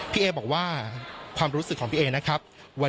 เอบอกว่าความรู้สึกของพี่เอนะครับ